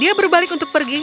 dia berbalik untuk pergi